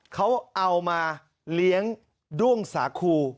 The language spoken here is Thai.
เขาเอามาเลี้ยงด้วงสาคู